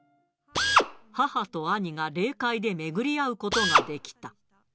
母と兄が霊界で巡り合うことができた。